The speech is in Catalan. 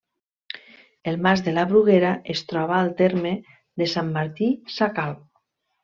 El mas de la Bruguera es troba al terme de Sant Martí Sacalm.